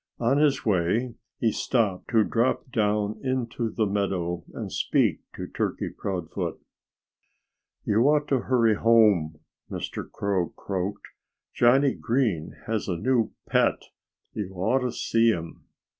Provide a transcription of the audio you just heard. On his way he stopped to drop down into the meadow and speak to Turkey Proudfoot. "You ought to hurry home," Mr. Crow croaked. "Johnnie Green has a new pet. You ought to see him."